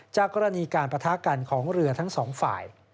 จากกรณีการปะทะกันของเรือทั้งสองฝ่าย